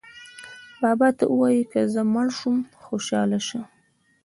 بابا ته ووایئ که زه مړه شوم خوشاله شه.